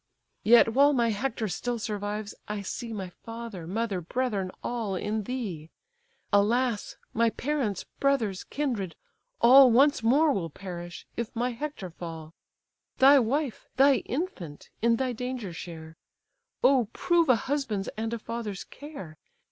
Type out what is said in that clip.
"Yet while my Hector still survives, I see My father, mother, brethren, all, in thee: Alas! my parents, brothers, kindred, all Once more will perish, if my Hector fall, Thy wife, thy infant, in thy danger share: Oh, prove a husband's and a father's care!